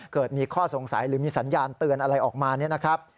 เกิดมีข้อสงสัยหรือมีสัญญาณเตือนอะไรออกมา